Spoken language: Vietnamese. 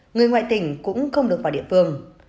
người ngoại tỉnh cũng không được vào địa phương